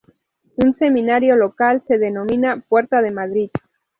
Un semanario local se denomina "Puerta de Madrid".